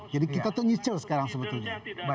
jadi kita tuh nyicil sekarang sebetulnya